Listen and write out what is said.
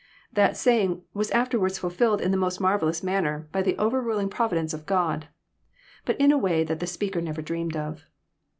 That saying was afterwards fulfilled in the most marvelk>us manner by the overruling providence of God, but in a way that the speaker never dreamed of.